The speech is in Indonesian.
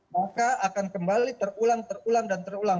maka akan kembali terulang terulang dan terulang